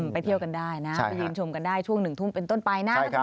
ไปเที่ยวกันได้นะไปยืนชมกันได้ช่วง๑ทุ่มเป็นต้นไปนะ